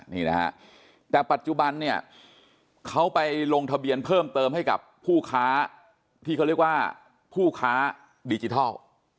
นี่นะฮะแต่ปัจจุบันเนี่ยเขาไปลงทะเบียนเพิ่มเติมให้กับผู้ค้าที่เขาเรียกว่าผู้ค้าดิจิทัล